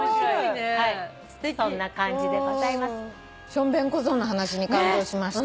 しょんべん小僧の話に感動しました。